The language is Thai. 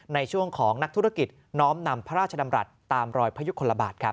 ในช่วงของนักธุรกิจน้อมนำพระราชดำรัฐตามรอยพยุคลบาทครับ